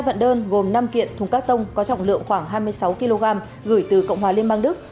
ba vận đơn gồm năm kiện thùng các tông có trọng lượng khoảng hai mươi sáu kg gửi từ cộng hòa liên bang đức